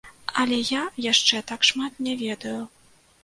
Але я яшчэ так шмат не ведаю.